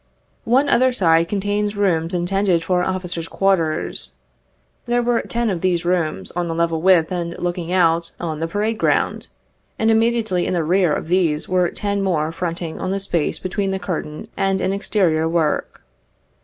One other side contains rooms in tended for officers' quarters. There were ten of these rooms on a level with, and looking out on the parade ground, and immediately in the rear of these were ten more fronting on the space between the curtain and an exterior work.